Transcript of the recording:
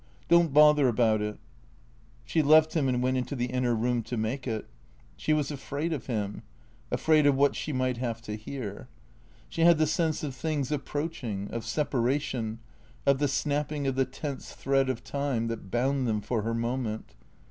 Don't bother about it." She left him and went into the inner room to make it. She was afraid of him; afraid of what she might have to hear. She had the sense of things approaching, of separation, of the snapping of the tense thread of time that bound them for her moment.